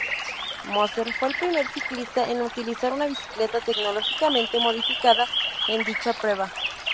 Moser fue el primer ciclista en utilizar una bicicleta tecnológicamente modificada en dicha prueba.